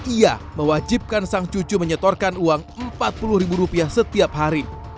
ia mewajibkan sang cucu menyetorkan uang rp empat puluh setiap hari